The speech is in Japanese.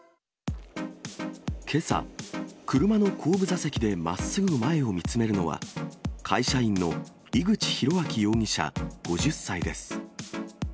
けさ、車の後部座席でまっすぐ前を見つめるのは、会社員の井口裕章容疑者５０歳です。